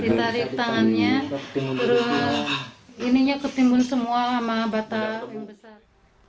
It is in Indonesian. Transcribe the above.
ditarik tangannya terus ininya ketimbun semua sama batang besar